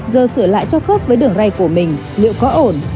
giờ sửa lại cho khớp với đường rây của mình liệu có ổn